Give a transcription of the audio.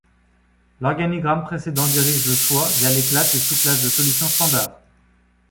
L'organigramme précédent dirige le choix vers les classes et sous-classes de solutions standards.